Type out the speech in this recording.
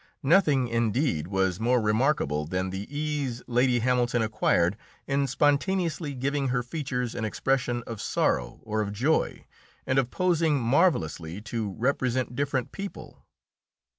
Nothing, indeed, was more remarkable than the ease Lady Hamilton acquired in spontaneously giving her features an expression of sorrow or of joy, and of posing marvellously to represent different people.